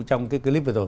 trong cái clip vừa rồi